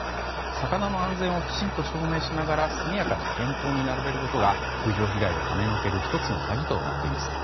魚の安全をきちんと証明しながら速やかに店頭に並べることが風評被害をはねのける１つの鍵となっています。